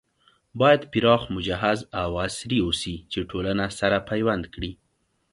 بايد پراخ، مجهز او عصري اوسي چې ټولنه سره پيوند کړي